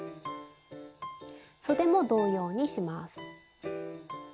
そでも同様にします。